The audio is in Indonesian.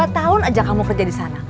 dua tahun aja kamu kerja disana